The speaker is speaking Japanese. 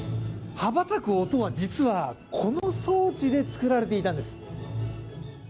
羽ばたく音は実はこの装置でつくられていたんです。